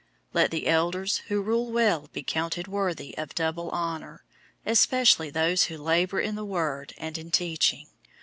005:017 Let the elders who rule well be counted worthy of double honor, especially those who labor in the word and in teaching.